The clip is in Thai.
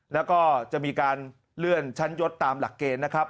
แล้วก็จะมีการเลื่อนชั้นยศตามหลักเกณฑ์นะครับ